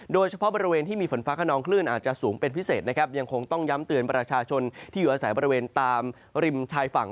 โดยเฉพาะบริเวณที่มีฝนฟ้าขนองคลื่นอาจจะสูงเป็นพิเศษนะครับยังคงต้องย้ำเตือนประชาชนที่อยู่อาศัยบริเวณตามริมชายฝั่ง